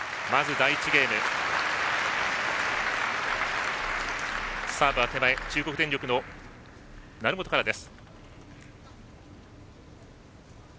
第１ゲーム、サーブは手前中国電力の成本からです。